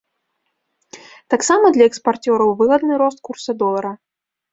Таксама для экспарцёраў выгадны рост курса долара.